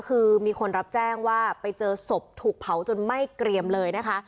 คือมีคนรับแจ้งว่าไปเจอศพถูกเผาจนไหม้เกรียมเลยนะคะ